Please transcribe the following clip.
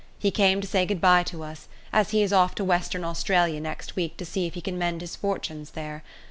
He came to say good bye to us, as he is off to Western Australia next week to see if he can mend his fortunes there.